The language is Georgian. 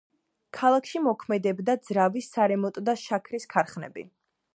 ქალაქში მოქმედებდა ძრავის სარემონტო და შაქრის ქარხნები.